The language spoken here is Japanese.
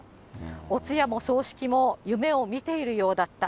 お通夜も葬式も、夢を見ているようだった。